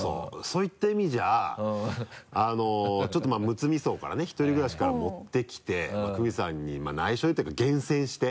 そういった意味じゃあちょっとまぁむつみ荘からね１人暮らしから持ってきてクミさんに内緒でって言うか厳選して。